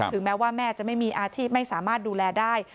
แม้ว่าแม่จะไม่มีอาชีพไม่สามารถดูแลได้